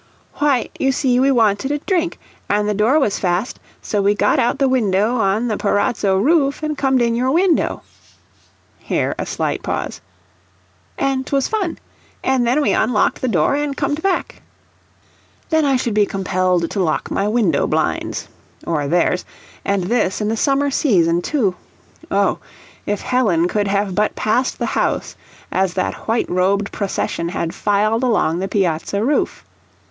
"Why, you see we wanted a drink, an' the door was fast, so we got out the window on the parazzo roof, an' comed in your window." (Here a slight pause.) "An' 'twas fun. An' then we unlocked the door, an' comed back." Then I should be compelled to lock my window blinds or theirs, and this in the summer season, too! Oh, if Helen could have but passed the house as that white robed procession had filed along the piazza roof!